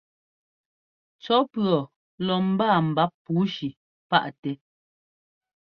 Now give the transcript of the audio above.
Cɔ́ pʉ̈ɔ lɔ mbáa mbáp pǔushi páʼtɛ́.